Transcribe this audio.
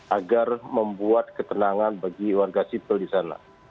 agar membuat ketenangan bagi warga sipil di sana